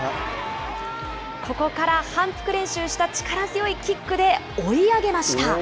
ここから反復練習した力強いキックで追い上げました。